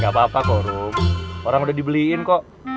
gak apa apa kok rum orang udah dibeliin kok